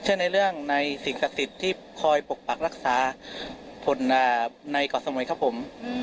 ในเรื่องในสิ่งศักดิ์สิทธิ์ที่คอยปกปักรักษาผลในเกาะสมุยครับผม